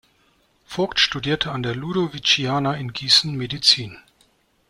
Vogt studierte an der Ludoviciana in Gießen Medizin.